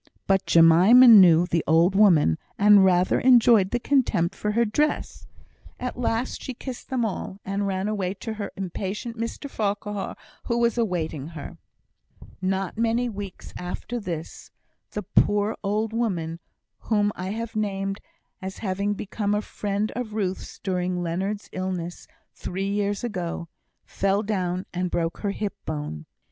But Jemima knew the old woman, and rather enjoyed the contempt for her dress. At last she kissed them all, and ran away to her impatient Mr Farquhar, who was awaiting her. Not many weeks after this, the poor old woman whom I have named as having become a friend of Ruth's, during Leonard's illness three years ago, fell down and broke her hip bone.